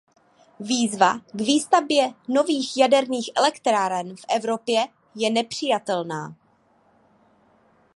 Výzva k výstavbě nových jaderných elektráren v Evropě je nepřijatelná.